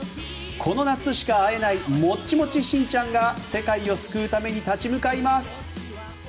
この夏しか会えないモッチモチしんちゃんが世界を救うために立ち向かいます。